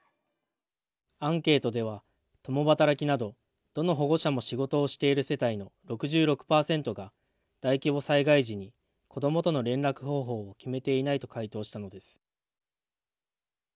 アンケートでは、共働きなどどの保護者も仕事をしている世帯の６６％が大規模災害時に子どもとの連絡方法を決めていないと回答したのです。